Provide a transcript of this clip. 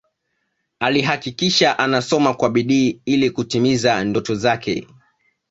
Alihakikisha anasoma kwa bidii ili kutimiza ndoto zake